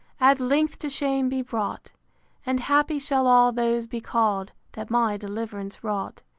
At length to shame be brought; And happy shall all those be call'd, That my deliv'rance wrought.